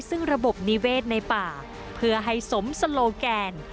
ซึ่งระบบนิเวศในป่าเพื่อให้สมสโลแกน